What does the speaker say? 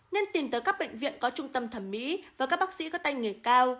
nên tìm tới các bệnh viện có trung tâm thẩm mỹ và các bác sĩ có tay nghề cao